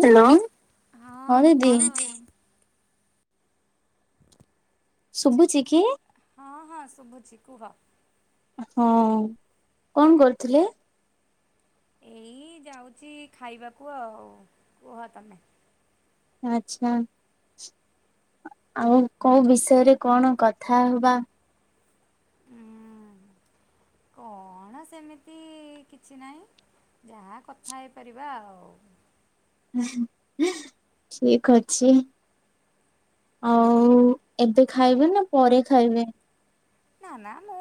Hello ହଁ ଦିଦି? ଶୁଭୁଛି କି? ହଁ ହଁ ଶୁଭୁଛି କୁହ? ହଁ କଣ କରୁଥିଲେ? ଏଇ ଯାଉଛି ଖାଇବାକୁ ଆଉ କୁହ ତମେ? ଆଚ୍ଛା। ଆଉ କୋଉ ବିଷୟରେ କଣ କଥା ହବା। ଉଁ କଣ ସେମିତି କିଛି ନାହିଁ ଯାହା କଥା ହେଇପାରିବା ଆଉ ଠିକ୍ ଅଛି। ଆଉ ଏବେ ଖାଇବେ ନା ପରେ ଖାଇବେ? ନା ନା ମୁଁ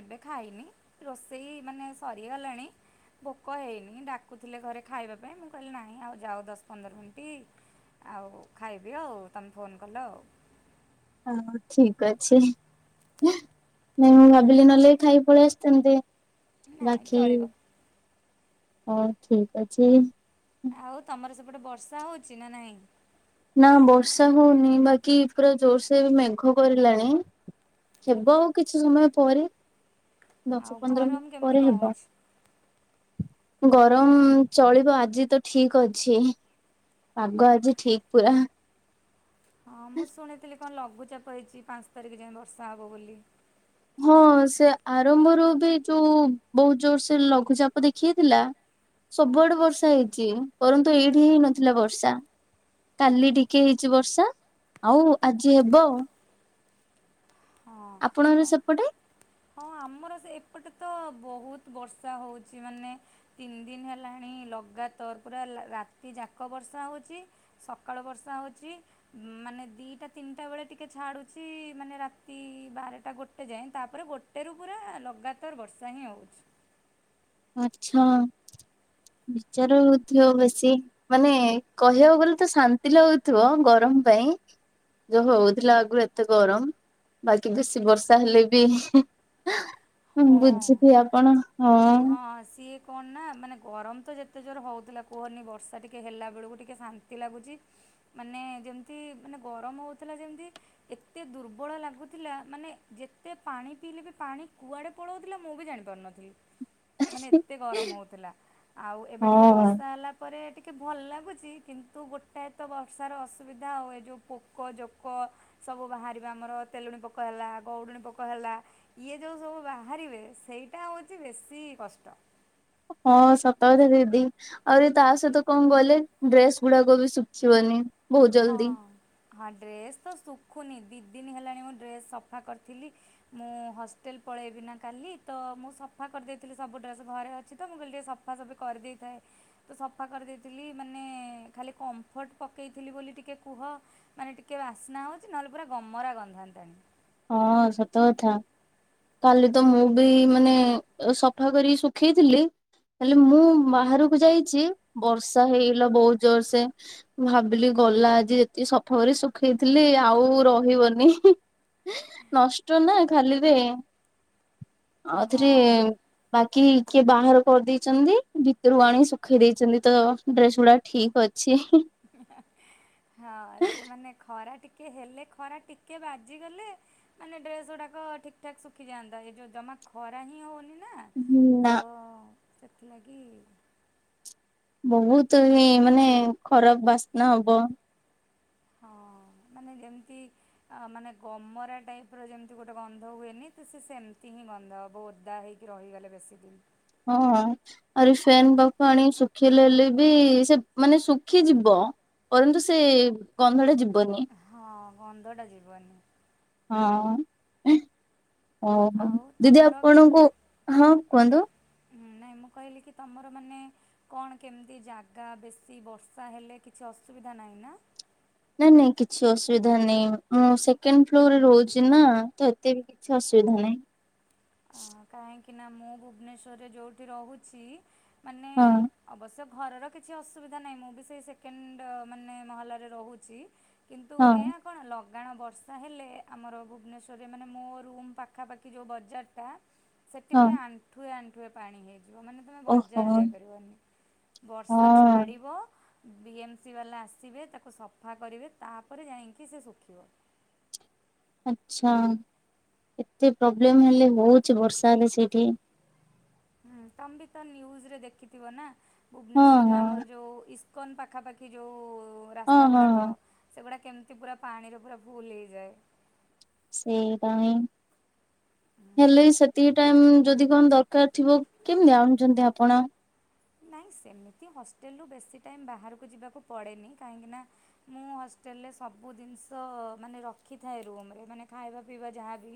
ଏବେ ଖାଇନି ରୋଷେଇ ମାନେ ସରିଗଲାଣି। ଭୋକ ହେଇନି ଡାକୁଥିଲେ ଘରେ ଖାଇବା ପାଇଁ ମୁଁ କହିଲି ନାହିଁ ଆଉ ଯାଉ ଦଶ ପନ୍ଦର ମିନିଟ୍। ଆଉ ଖାଇବି ଆଉ ତମେ ଫୋନ କଲ ଆଉ। ହୋଉ ଠିକ୍ ଅଛି ନାଇଁ ମୁଁ ହୁଁ ଭାବିଲି ନହେଲେ ଖାଇ ପଳେଇଅସିଥାନ୍ତେ। ନାଇ ଚଳିବ। ହୋଉ ଠିକ୍ ଅଛି। ଆଉ ତମର ସେପଟେ ବର୍ଷା ହଉଛି ନା ନାଇଁ। ନା ବର୍ଷା ହଉନି ବାକି ପୁରା ଜୋରସର ବି ମେଘ କରିଲାଣି। ହେବ ଆଉ କିଛି ସମୟ ପରେ। ଦଶ ଆଉ ପନ୍ଦର ମିନିଟ ଗରମ କେମିତି ପରେ କଣ ହେବା। ହେଉଛି? ଗରମ ଚଳିବ ଆଜି ତ ଠିକ ଅଛି। ପାଗ ଆଜି ଠିକ ପୁରା। ହଁ ମୁଁ ଶୁଣିଥିଲି କଣ ଲଘୁଚାପ ହେଇଚି ପାଞ୍ଚ ତାରିଖ ଯାଏ ବର୍ଷା ହବ ବୋଲି। ହଁ ସେ ଆରମ୍ଭରୁ ବି ଯୋଉଁ ବହୁତ ଜୋର ସେ ଲଘୁଚାପ ଦେଖେଇଥିଲା ସବୁଆଡେ ବର୍ଷା ହେଇଚି ପରନ୍ତୁ ଏଇଠି ହେଇ ନଥିଲା ବର୍ଷା। କାଲି ଟିକେ ହେଇଚି ବର୍ଷା ଆଉ ଆଜି ହେବ ଆଉ। ହଁ ଆପଣଙ୍କର ନା ହଁ ଆମର ସେ ଏପଟେ ତ ଁ ବହୁତ ବର୍ଷା ହଉଚି ମାନେ ତିନି ଦିନ ହେଲାଣି ଲଗାତାର ପୁରା ରାତି ଯାକ ବର୍ଷା ହେଉଚି ସକାଳୁ ବର୍ଷା ହେଉଚି ମାନେ ଦି'ଟା ତିନି'ଟା ବେଳେ ଟିକେ ଛା ଡୁଚି ମାନେ ରା ରାତି ବାରଟା ଗୋଟେ ଯାଏ ତାପରେ ଗୋଟେରୁ ପୁରା ଲଗାତାର ବର୍ଷା ହିଁ ହେଉଚି। ଆଛା। ବିଚାର ହଉଥିବ ବେଶୀ ମାନେ କହିବାକୁ ଗଲେ ତ ଶାନ୍ତି ଲାଗଥିବ ଗର ଗରମ ପାଇଁ ଯୋଉଁ ହଉଥିଲା ଆଗରୁ ଏତେ ଗରମ ବାକି ବେଶି ବର୍ଷା ହେଲେ ବି ହଁ ବୁଝିଥିବେ ଆପଣ ହଁ [unintelligible] କଣ ନା ମାନେ ଗରମ ତ ଯେତେ ଜୋର ହଉଥିଲା କୁହନି ବର୍ଷା ଟିକେ ହେଲା ବେଳକୁ ଟିକେ ଶାନ୍ତି ଲାଗୁଚି। ମାନେ ଯେମିତି ମାନେ ଗରମ ହଉଥିଲା ଯେମିତି ଏତେ ଦୁର୍ବଳ ଲାଗୁଥିଲା ମାନେ ମାନେ ଯେତେ ପାଣି ପିଇଲେ ବି ପାଣି କୁଆଡେ ପଳଉଥିଲା ମୁଁ ବି ଜାଣି ପାରୁନଥିଲି। ମାନେ ଏତେ ଗରମ ହଉଥିଲା ଆଉ ଏବେ ଟିକେ ହଁ ବର୍ଷା ହେଲା ପରେ ଟିକେ ଟିକେ ଭଲ ଲାଗୁଚି କିନ୍ତୁ ଗୋଟାଏ ତ ବର୍ଷାର ଅସୁବିଧା ଏ ଯୋଉଁ ପୋକ ଜୋକ ସବୁ ବାହାରିବା ଆମର ତେଲୁଣି ପୋକ ହେଲା ଗଡ଼ୁଣୀ ପୋକ ହେଲା ଇଏ ଯେଉଁ ସବୁ ବା ବାହାରିବେ ସେଇଟା ହେଉଚି ବେଶୀ କଷ୍ଟ। ହଁ ସତ କଥା ଦିଦି ଆହୁରି ତା ସହିତ କଣ ଗଲେ ଡ୍ରେସ ଗୁଡାକ ବି ଶୁଖିବନି। ବହୁତ ହଁ ଜଲଦି। ହଁ ଡ୍ରେସ୍ ତ ଶୁଖୁନି ଦି'ଦିନି ହେଲାଣି ମୁଁ ଡ୍ରେସ୍ ସଫା କରିଥିଲି ମୁଁ ହଷ୍ଟେଲ ପ ପଳେଇବି ନା କାଲି ତ ମୁଁ ସଫା କରିଦେଇଥିଲି ସବୁ ଡ୍ରେସ୍ ଘରେ ଅଛି ତ ମୁଁ କହିଲି ଟିକିଏ ସଫାସଫି କରିଦେଇଥାଏ। ତ ସଫା କରିଦେଇଥିଲି ମାନେ ଖାଲି କମ୍ଫର୍ଟ ପକେଇ ଥିଲି ବୋଲି ଟିକେ କୁହ ମାନେ ଟିକେ ବାସ୍ନା ହଉଛି ନହେଲେ ପୁରା ଗମରା ଗନ୍ଧାନ୍ତାଣି। ହଁ ସତ କଥା। କାଲି ତ ମୁଁ ବି ମାନେ ସଫା କରିକି ଶୁଖେଇଥିଲି। ହେଲେ ମୁଁ ବାହାରକୁ ଯାଇଚି ବର୍ଷା ହେଇଗଲା ବହୁତ ଜୋରସ ମୁଁ ଭାବିଲି ଗଲା ଆଜି ଯେତିକି ସଫା କରି ଶୁଖେଇଥିଲି ଆଉ ରହିବନି। ନଷ୍ଟ ନା ଖାଲିରେ। ଆଉଥରେ ହଁ। ବା କି କିଏ ବାହାର କରିଦେଇଛନ୍ତି ଭିତରୁ ଆଣି ଶୁଖେଇ ଦେଇଛନ୍ତି ତ ଡ୍ରେସ ଗୁଡା ଠିକ ଅଛି। ବ ହଁ ସେ ମାନେ ଖରା ଟିକେ ଟିକେ ହେଲେ ଖରା ଟିକେ ବାଜିଗଲେ ମାନେ ଡ୍ରେସ୍ ଗୁଡ଼ାକ ଠିକଠାକ ଶୁଖିଯାଆନ୍ତା ଏଇ ଯୋଉ ଜମା ଖରା ହ୍ନି ହୋଉନି। ହୁଁ ନା। ସେଥିଲାଗି ବହୁତ ଏ ମାନେ ଖରାପ ବାସ୍ନା ହବ। ହଁ [inaudible] ମାନେ ଯେମିତି ଅ ମାନେ ଗମରା ଟାଇପ ର ଯେମିତି ଗୋଟେ ଗନ୍ଧ ହୁଏନି ତ ସେ ସେମିତି ହିଁ ଗନ୍ଧ ହେବ ଓଦା ହେଇକି ରହିଗଲେ ବେଶୀ ହଁ ଆହୁରି ଫ୍ୟାନ ପାଖକୁ ଆଣି ଶୁଖେଇଲେ ହେଲେ ବି ସେ ମାନେ ଶୁଖିଯିବ। ପରନ୍ତୁ ସେ ଗନ୍ଧଟା ଯିବନି ହଁ ଗନ୍ଧଟା ଜୀବନି ହଁ। ଓ ଆଉ ଦିଦି ତମର ଆପଣଙ୍କୁ ହଁ ଉଁ, କୁହନ୍ତୁ? ନାଇଁ ମୁଁ କହିଲି କି ତୁମର ମାନେ କଣ କେମିତି ଜାଗା ବେଶୀ ବର୍ଷା ହେଲେ କିଛି ଅସୁବିଧା ନାହିଁ। ଆନା [unintelligible] ନାଇଁ ନାଇଁ କିଛି ଅସୁବିଧା ନାଇଁ ମୁଁ ସେକେଣ୍ଡ ଫ୍ଲୋରରେ ରହୁଛି ନା ତ ଏତେ ବି କିଛି ଅସୁ ସୁବିଧା ନାହିଁ। ଅ କାହିଁକି ନା ମୁଁ ଭୁବନେଶ୍ଵରରେ ଯୋଉଠି ରହୁଛି ମାନେ ହଁ ଅବଶ୍ୟ ଘରର କିଛି ଅସୁବିଧା ନାହିଁ ମୁଁ ବି ସେଇ ସେକେଣ୍ଡ ମାନେ ମହଲାରେ ରହୁଛି କିନ୍ତୁ ହଁ। ଏହା କ'ଣ ଲଗାଣ ବର୍ଷା ହେଲେ ଆମର ଭୁବନେଶ୍ୱରରେ ମାନେ ମୋ ରୁମ୍ ପାଖାପାଖି ଯେଉଁ ବଜାରଟା ସେଠି ହଁ ପୁରା ଆଣ୍ଠୁଏ ଆଣ୍ଠୁଏ ପାଣି ହେଇ ଯ ମାନେ ତମେ ଓହୋ ବଜାର ହଁ। ଯାଇପାରିବନି ବର୍ଷା ଛାଡ଼ିବ ବି ଏମ୍ ସି ବାଲା ଆସିବେ ତାକୁ ସଫା କରିବେ ତାପରେ ଯାଇକି ସେ ଶୁଖିବ। ଆଛା ଏତେ ପ୍ରୋବ୍ଲେମ ହେଲେ ହଉଛି ବର୍ଷା ହେଲେ ସେଇଠି ହୁଁ ତମେ ତ ନ୍ୟୁଜ ରେ ଦେଖିଥିବ ନା ହଁ ଭୁବନେଶ୍ଵରରେ ହଁ ଆମର ଯୋଉ କନ ପାଖାପାଖି ଯଉ ହଁ ରାସ୍ତା ହଁ ଗୁଡ଼ାକ ହଁ। ସେଗୁଡା କେମିତି ପୁରା ପାଣିର ପୁରା ଫୁଲ ହେଇଯାଏ ସେଇଟାଇଁ ହେଲେ ସେତିକି ଟାଇମ ଯଦି କଣ ଦରକାର ଥିବ କେମିତି ଆଣୁଛନ୍ତି ଆପଣ? ନାଇଁ ସେମିତି ହଷ୍ଟେଲ ରୁ ବେଶୀ ଟାଇମ ବାହାରକୁ ଯିବାକୁ ପଡେନି କାହିଁକି ନା ମୁଁ ହଷ୍ଟେଲରେ ସବୁ ଜିନିଷ ମାନେ ରଖିଥାଏ ରୁମ୍ ରେ ମାନେ ଖାଇବା ପିଇବା ଯାହାବି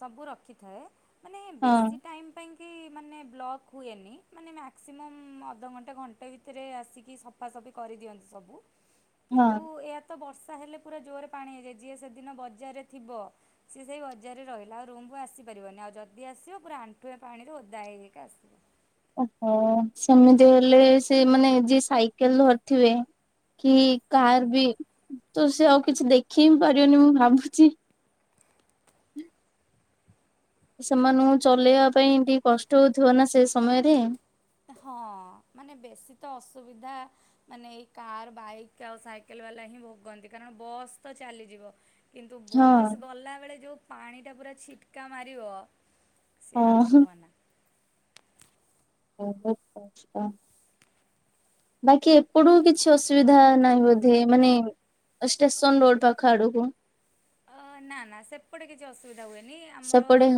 ସବୁ ରଖିଥାଏ। ମାନେ ହଁ ବେଶ ଟାଇମ୍ ପାଇଁ କି ମାନେ ବ୍ଲକ୍ ହୁଏନି ମାନେ ମ୍ୟାକ୍ସିମମ୍ ଅଧଘଣ୍ଟେ ଘଣ୍ଟେ ଭିତରେ ଆସିକି ସଫାସଫି କରିଦିଅନ୍ତି ସବୁ ହଁ କିନ୍ତୁ ଏ ବର୍ଷା ହେଲେ ପୁରା ଜୋରରେ ପାଣି ହେଇଯାଏ ଯିଏ ସେଦିନ ବଜାରରେ ଥିବ ସିଏ ସେଇ ବଜାରରେ ରହିଲା ଆଉ ରୁମ୍ ମୁୁ ଆସିପାରିବନି ଆଉ ଯଦି ଆସିବ ପୁରା ଆଣ୍ଠୁଏଁ ପାଣିରେ ଓଦା ହେଇ ହେଇକା ଆସିବ ଓହୋ ସେମିତି ହେଲେ ସେ ମାନେ ଯିଏ ସାଇକେଲ ଧରିଥିବେ କି କାହାର ବି ତ ସେ ଆଉ କିଛି ଦେଖେଇ ବିି ପାରିବନି ମୁଁ ଭାବୁଛି ସେମାନଙ୍କୁ ଚଲେଇବା ପାଇଁ ଟିକେ କଷ୍ଟ ହଉଥିବ ନା ସେ ସମୟରେ ହଁ ମାନେ ବେଶୀ ତ ଅସୁବିଧା ମାନେ ଏଇ କାର ବାଇକ୍ ଆଉ ସାଇକେଲ ବାଲା ହିଁ ଭୋଗନ୍ତି କାରଣ ବସ୍ ତ ଚାଲିଯିବ। କିନ୍ତୁ ହଁ ବସ୍ ଗଲା ବେଳେ ଯୋଉ ପାଣି ଟା ପୁରା ଛିଟ୍ କା ମାରିବ ସେ ଆଉ ହଁ କହନା ଓଚଛା [unintelligible] ବାକି ଏପଟୁ କିଛି ଅସୁବିଧା ନାହିଁ ବୋଧେ ମାନେ ଷ୍ଟେସନ୍ ରୋଡ୍ ପାଖ ଆଡକୁୁ ଅ ନା ନା ସେପଟେ କିଛି ଅସୁବିଧା ହୁଏନି ଆମର ହଁ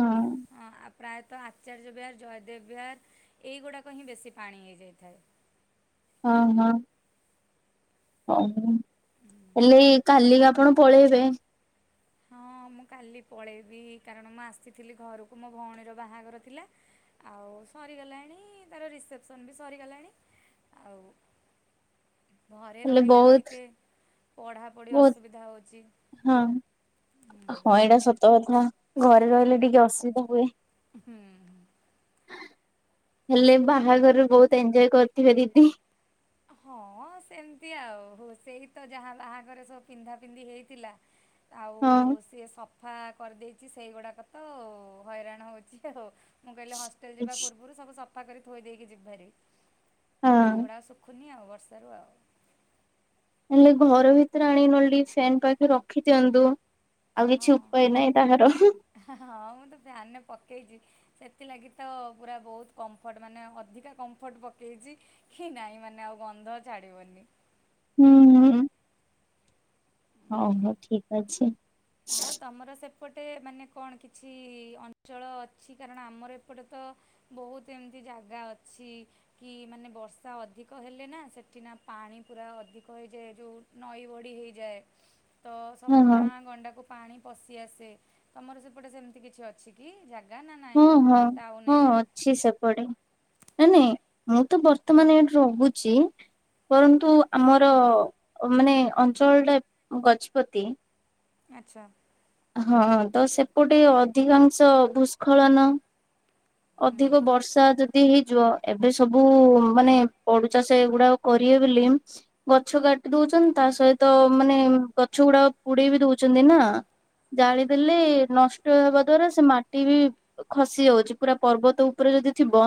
ଆ ପ୍ରାୟତଃ ଆଚାର୍ଯ୍ୟ ବିହାର ଜୟ ଦେବବିହାର ଏଇଗୁଡ଼ାକ ହିଁ ବେଶୀ ପାଣି ହେଇଯାଇଥାଏ। ହଁ ହଁ। ଓଃ ହେଲେ କାଲି ଆପଣ ପଳେଇବେ? ହଁ ମୁଁ କାଲି ପଳେଇବି କାରଣ ମୁଁ ଆସିଥିଲି ଘରକୁ ମୋ ଭଉଣୀର ବାହାଘର ଥିଲା ଆଉ ସରିଗଲାଣି ତାର ରିସେପସନ୍ ବି ସରିଗଲାଣି ଆଉ ଘରେ ହେଲେ ରହିଲେ ବି ବହୁତ ଟିକେ ପଢ଼ାପଢ଼ି ବହୁତ ଅସୁବିଧା ହେଉଛି ହଁ ହଁ, ଏଇଟା ସତ କଥା! ଘରେ ରହିଲେ ଟିକେ ଅସୁବିଧା ହୁଏ। ହୁଁ। ହେଲେ, ବାହାଘର ବହୁତ ଏଞ୍ଜୟ କରିଥିବେ ଦିଦି! ହଁ, ସେମିତି ଆଉ, ହଉ ସେଇ ତ ଯାହା ବାହାଘରରେ ସବୁ ପିନ୍ଧା ପିନ୍ଧି ହେଇଥିଲା ହଁ। ଫା କରିଦେଇଛି ସେଇଗୁଡାକ ତଉ ହଇରାଣ ହଉଛି ଆଉ ମୁଁ କହିଲି, ହଷ୍ଟେଲ ଯିବା ପୂର୍ବରୁ ସବୁ ସଫା କରି ଥୋଇ ଦେଇକି ଯିବିଭାରି। ହଁ ସେଇଗୁଡାକ ସବୁ ନି ଆଉ ବର୍ଷାରୁ ଆଉ। ନଲେ, ଘର ଭିତରେ ଆଣି ନହେଲେ ଟିକେ ଫ୍ୟାନ୍ ପାଖରେ ରଖି ଦିଅନ୍ତୁ। ଆଉ କିଛି ହଁ, ଉପାୟ ନାହିଁ ତାହାର ହୁଁ ହଁ ହଁ ମୁଁ ତ ଫ୍ୟାନ୍ ରେ ପକେଇଛି। ସେଥିଲାଗି ତ ପୁରା ବହୁତ କମ୍ଫର୍ଟ ମାନେ ଅଧିକା କମ୍ଫର୍ଟ ପକେଇଛି କି ନାହିଁ, ମାନେ ଆଉ ଗନ୍ଧ ଛାଡ଼ିବନି। ହୁଁ, ହଉ ହୋ ଠିକ୍ ଅଛି। ଆଉ, ତମର ସେ ଏପଟେ ମାନେ କଣ କିଛି-ଇ ଅଞ୍ଚଳ ଅଛି! କାରଣ ଆମର ଏପଟେ ତ ବହୁତ ଏମିତି ଜାଗା ଅଛି କି, ମାନେ ବର୍ଷା ଅଧିକ ହେଲେ ନା, ସେଠି ନା ପାଣି ପୁରା ଅଧିକ ଯେ ଯଉ ନଈ ବଢି ହେଇଯାଏ। ତ, ହଁ ସବୁ ହଁ ଗାଁ ଗଣ୍ଡାକୁ ପାଣି ପଶି ଆସେ। ତମର ସେପଟେ ସେମିତି କିଛି ଅଛି କି ଜାଗ୍ ହଁ ହଁ ହଁ ଅଛି, ସେପଡେ। ନା ନାଇଁ, ମୁଁ ତ ବର୍ତ୍ତମାନ ଏଇଠି ରହୁଚିଁ। କରନ୍ତୁ, ଆମର ମାନେ ଅଞ୍ଚଳଟା ଗଜପତିଁ ଆଚ୍ଛା। ହଁ, ତ ସେପଟେ ଅଧିକାଂଶ ଭୂସ୍ଖଳନ ହୁଁ ଅଧିକ ବର୍ଷା ଯଦ୍ ଦି ହେଇଯିବ! ଏବେ ସବୁ-ଉଁ ମାନେ ପଡୁ ଚାଷ ଏଗୁଡା କରିବେ ବୋଲିଁ, ଗଛ କା କାଟି ଦଉଛନ୍ତି। ତା ସହିତ ମାନେ, ଗଛ ଗୁଡା ପୁଡେଇ ବି ଦଉଛନ୍ତି ନା! ଜାଳିଦେଲେ, ନଷ୍ଟ ହେବା ଦ୍ଵାରା ସେ ମାଟି ବି ଖସି ଯାଉଛି। ପୁରା ପର୍ବତ ଉପରେ ଯଦି ଥିବ,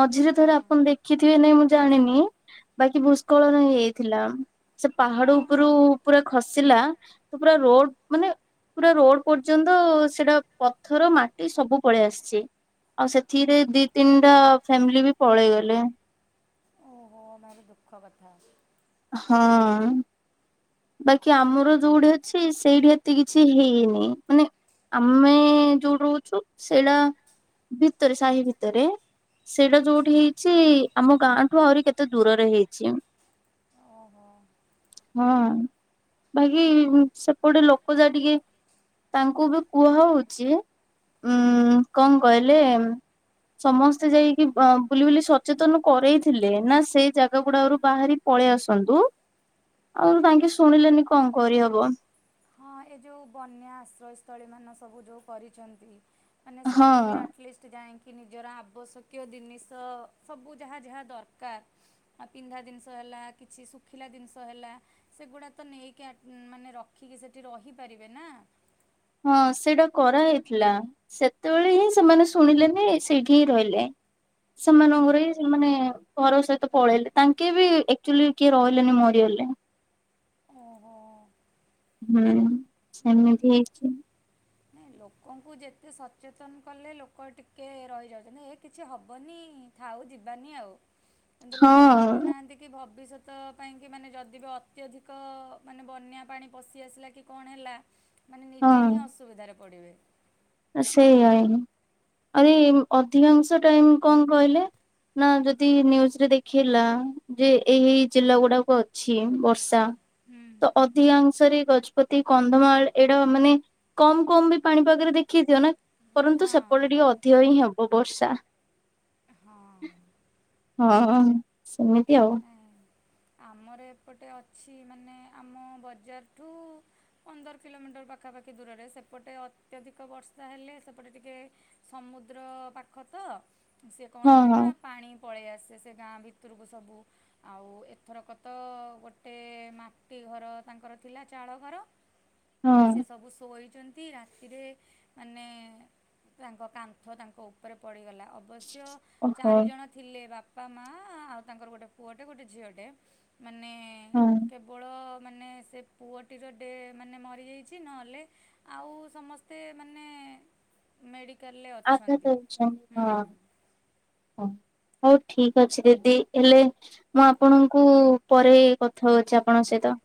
ମଝିରେ ହଁ ଥରେ ଆପଣ ଦେଖିଥିବେ, ନାଇଁ ମୁଁ ଜାଣିନି! ବାକି ଭୂସ୍କଳନ ହେଇଥିଲା। ସେ, ପାହାଡ ହଁ ଉପରୁ ହଁ ପୁରା ଖସିଲା ତ ପୁରା ରୋଡ଼ ମାନେ ପୁରା ରୋଡ଼ ପର୍ଯ୍ୟନ୍ତ, ସେଟା ପଥର ମାଟ୍ ଏଇ ସବୁ ପଳେଇ ଆସିଛି। ଆଉ, ସେଥିରେ ଦି ତିନିଟା ଫ୍ୟାମିଲି ବି ପଳେଇଗଲେ। ଏ ଭାରି ଦୁଃଖ କଥା। ହଁ। ବାକି ଆମର ଯୋଉଠି ଅଛି! ସେଇଠି ଏତେ କିଛି ହେଇନି। ମାନେ ଆମେଁ-ଏଁ ଯୋଉଠି ରହୁଛୁ, ସେଇଡ଼ା, ଭିତରେ ସାହି ଭିତରେ। ସେଇଟା ଯୋଉଠି ହେଇଛି! ଆମ ଗାଁ ଠୁ ଆହୁରି କେତେ ଦୂରରେ ହେଇଛି। ଓହୋ। ହଁ, ବାକି ସେପଟେ ଲୋକ ଯା ଟିକେ ତାଙ୍କୁ ବି କୁହା ହଉଛି। ଉଁ କଣ କହିଲେ ଏ ସମସ୍ତେ ଯାଇକି ବଁ ବୁଲି ବୁଲି ସଚେତନ କରେଇଥିଲେ ନା, ସେ ଜାଗା ଗୁଡାକରୁ ବାହାରିପ ପଳେଇ ଆସନ୍ତୁ। ଆଉ ତାଙ୍କେ, ଶୁଣିଲେନି କଣ କରିହବ? ହଁ, ଏ ଯେଉଁ ବନ୍ୟା ଆଶ୍ରୟସ୍ଥଳୀ ମାନ ସବୁ ଯଉ କରିଛନ୍ତି। ମାନେ ହଁ ସେଠି ବି ଆଟଲିଷ୍ଟ ଯାାଇଁକି କି ନିଜର ଆବଶ୍ୟକୀୟ ଦିନିଷ ସବୁ ଯାହା ଯାହା ଦରକାର, ପିନ୍ଧା ଜିନିଷ ହେଲା ହେଲା, କିଛି ଶୁଖିଲା ଜିନିଷ ହେଲା, ସେ ଗୁଡା ତ ନେଇକି, ଆଟ୍ ମାନେ ରଖିକି ସେ ଟି ରହିପାରିବେ ନା। ହଁ, ସେଇଟା କରାହେଇଥିଲା। ସେତେବେଳେ ହିଁ ସେମାନେ ଶୁଣିଲେନି। ସେଇଠି ହିଁ ରହିଲେ। ଉଁ ସେମାନଙ୍କର ହିଁ ସେମାନେ ଘର ସହିତ ପଳେଇଲେ। ତାଙ୍କେ ବି ଏକ୍ଚୁଆଲି କିଏ ରହିଲେନି, ମରିଗଲେ। ଓହୋ। ହୁଁ ସେମିତି ହେଇଛି। ନାଇଁ ଲୋକଙ୍କୁ ଯେତେ ସଚେତନ କଲେ ଲୋକ ଟିକେ ରହିଯାଉଚନ୍ତି ହେ କିଛି ହବନି। ଥାଉ ଯିବାନି ଆଉ କିନ୍ତୁ ଲୋକ ହଁ ଭାବୁନାହାନ୍ତି କି ଭବିଷ୍ୟ ତ ପାଇଁ କି ମାନେ ଯଦି ବି ଅତ୍ୟଧିକ ମାନେ ବନ୍ୟା ପାଣି ପଶି ଆସିଲା କି କଣ ହେଲା। ମାନେ ନିଜେ ହିଁ ଅସୁବିଧାରେ ପଡ଼ିବେ। ଆଉ ସେଇଆ ହିଁ ଅଧି ଅଧିକାଂଶ ଟାଇମ କଣ କହିଲେ ନା ଯଦି ନିୟୁଜରେ ଦେଖେଇଲା ଯେ ଏହି ଜିଲ୍ଲା ଗୁଡାକୁ ଅଛି ବର୍ଷା। ତ ଅଧିକାଂଶ ରେ ଗଛ ପତି କନ୍ଧମାଳ ଏଇଟା ମାନେ କମ କମ ବି ପାଣିପାଗରେ ଦେଖେଇଥିବ ନା। କରନ୍ତୁ ହଁ ସେପଟେ ଟିକେ ଅଧିକ ହିଁ ହବ ବର୍ଷା। ହଁ ହଁ ସେମିତି ଆଉ। ନାଇଁ ଆମର ଏପଟେ ଅଛି ମାନେ ଆମ ବଜାରଠୁ ପନ୍ଦର କିଲୋମିଟର ପାଖାପା ଟିକେ ଦୂରରେ ସେପଟେ ଅତ୍ୟଧିକ ବର୍ଷା ହେଲେ ସେପଟେ ଟିକେ ସମୁଦ୍ର ପାଖ ତ। ସିଏ କଣ ହଁ ହୁଏ ହଁ ନା ପାଣି ପଳେଇ ଆସେ ସେ ଗାଁ ଭିତୁରୁକୁ ସବୁ। ଆଉ ଏଥରକ ତ ଗୋଟେ ମାଟି ଘର ତାଙ୍କର ଥିଲା ଚାଳ ଘର। ସିଏ ହଁ ସବୁସୋଇ ଚନ୍ତି ରାତିରେ ମାନେ ତାଙ୍କ କାନ୍ଥ ତାଙ୍କ ଉପରେ ପଡ଼ିଗଲା। ଅବଶ୍ୟ ଓହୋ ଚାରିଜଣ ଥିଲେ। ବାପା ମା ଆଉ ତାଙ୍କର ଗୋଟେ ପୁଅଟେ ଗୋଟେ ଝିଅଟେ ମାନେ ହଁ କେବଳ ମାନେ ସେ ପୁଅଟିର ଡେ ମାନେ ମରିଯାଇଚି ନହେଲେ ଆଉ ସମସ୍ତେ ମାନେ [inaudible] ମେଡ଼ି ଆଦତ [unintelligible] ଛା ହଁ ହଁ। ହୋଉ ଠିକ ଅଛି ଦିଦି ହେଲେ ମୁଁ ଆପଣଙ୍କୁ ପରେ କଥା ହୋଉଚି ଆପଣଙ୍କ ସହି ତ।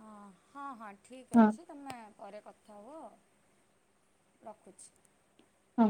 ଅ ହଁ ହଁ ଠିକ୍ ହଁ ଅଛି ତମେ ପରେ କଥା ହୁଅ ରଖୁଛି। ହୁଁ।